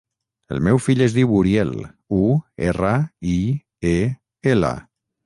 El meu fill es diu Uriel: u, erra, i, e, ela.